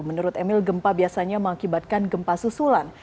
menurut emil gempa biasanya mengakibatkan gempa susulan